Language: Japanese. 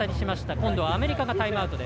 今度はアメリカがタイムアウト。